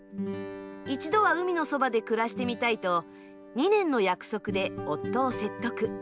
１度は海のそばで暮らしてみたいと、２年の約束で夫を説得。